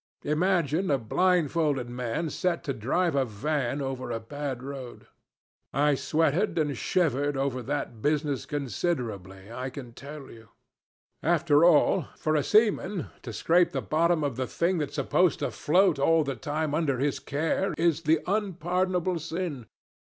Imagine a blindfolded man set to drive a van over a bad road. I sweated and shivered over that business considerably, I can tell you. After all, for a seaman, to scrape the bottom of the thing that's supposed to float all the time under his care is the unpardonable sin.